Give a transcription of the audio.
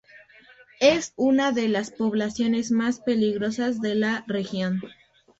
Es una de las poblaciones más peligrosas de la región.